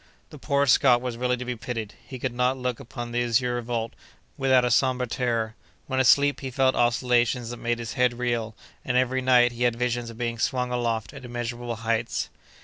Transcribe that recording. The poor Scot was really to be pitied. He could not look upon the azure vault without a sombre terror: when asleep, he felt oscillations that made his head reel; and every night he had visions of being swung aloft at immeasurable heights.